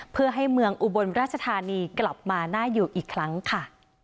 เพื่อให้เมืองอุบลราชธานีกลับมาน่าอยู่อีกครั้งค่ะ